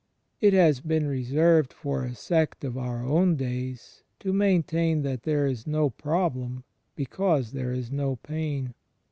It has been reserved for a sect of our own days to maintain that there is no problem, because there is no pain!